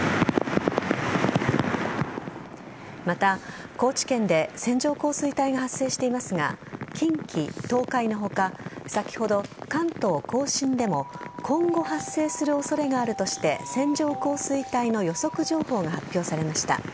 また、高知県で線状降水帯が発生していますが近畿、東海の他先ほど、関東甲信でも今後、発生する恐れがあるとして線状降水帯の予測情報が発表されました。